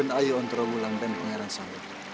saya mengerti suhaim